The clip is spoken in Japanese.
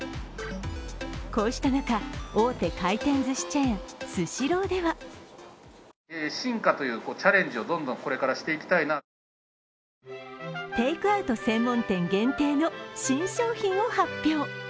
こうした中、大手回転ずしチェーン、スシローではテイクアウト専門店限定の新商品を発表。